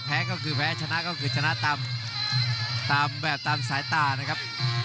แพ้ก็คือแพ้ชนะก็คือชนะตามสายตานะครับ